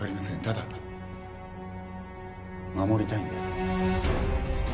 ただ護りたいんです。